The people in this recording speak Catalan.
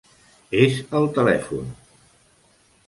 És al telèfon.